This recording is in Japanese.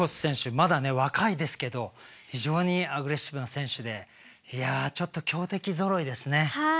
まだ若いですけど非常にアグレッシブな選手でちょっと強敵ぞろいですね。